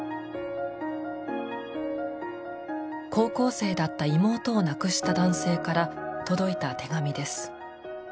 高校生だった妹を亡くした男性から届いた手紙です。